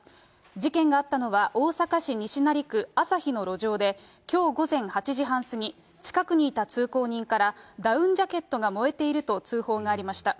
事件があったのは、大阪市西成区あさひの路上で、きょう午前８時半過ぎ、近くにいた通行人から、ダウンジャケットが燃えていると通報がありました。